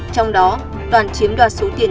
trong đó toàn chiếm đoạt số tiền